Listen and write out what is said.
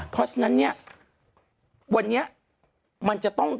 เพราะฉะนั้นเนี่ยวันนี้มันจะต้อง